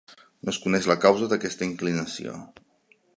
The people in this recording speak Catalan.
No es coneix la causa d'aquesta inclinació.